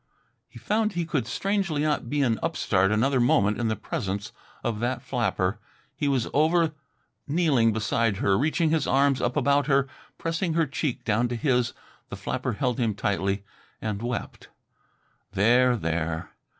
He found he could strangely not be an upstart another moment in the presence of that flapper. He was over kneeling beside her, reaching his arms up about her, pressing her cheek down to his. The flapper held him tightly and wept. "There, there!"